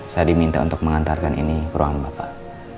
saya diminta untuk mengantarkan ini ke ruang bapak